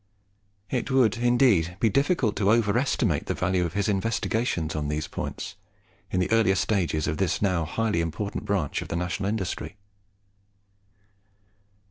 It would indeed be difficult to over estimate the value of his investigations on these points in the earlier stages of this now highly important branch of the national industry.